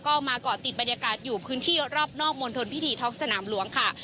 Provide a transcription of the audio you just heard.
ก็มาเกาะติดบรรยากาศอยู่พื้นที่รอบนอกมณฑลพิธีท้องสนามหลวงค่ะ